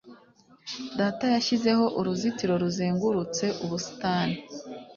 Data yashyizeho uruzitiro ruzengurutse ubusitani.